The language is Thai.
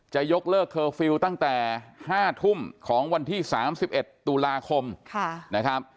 จะยกเลิกเคอร์ฟิลตั้งแต่ห้าทุ่มของวันที่สามสิบเอ็ดตุลาคมค่ะนะครับ